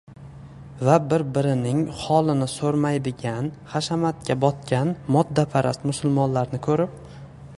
Va bir-birining holini so‘ramaydigan, hashamatga botgan moddaparast musulmonlarni ko‘rib